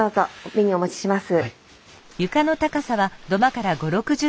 メニューお持ちします。